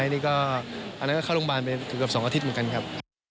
อันนั้นก็เข้าโรงพยาบาลเป็นถึงกับ๒อาทิตย์เหมือนกันครับ